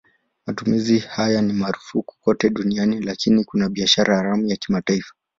Matumizi haya ni marufuku kote duniani lakini kuna biashara haramu ya kimataifa.